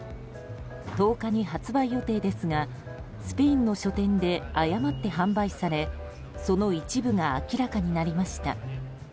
１０日に発売予定ですがスペインの書店で誤って販売されその一部が明らかになりました。